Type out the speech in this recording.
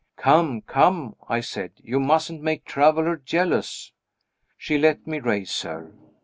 "Come, come!" I said, "you mustn't make Traveler jealous." She let me raise her.